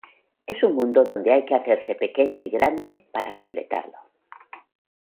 Es un mundo donde hay que hacerse pequeño y grande para completarlo.